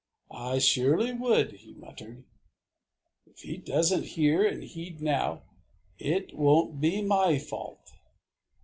I surely would!" he muttered. "If he doesn't hear and heed now, it won't be my fault!"